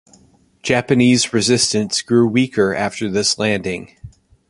Japanese resistance grew weaker after this landing.